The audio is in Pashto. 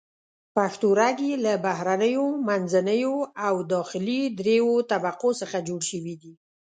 پښتورګي له بهرنیو، منځنیو او داخلي دریو طبقو څخه جوړ شوي دي.